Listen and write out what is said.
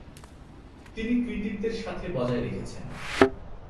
তিনি কৃতিত্বের সাথে বজায় রেখেছেন।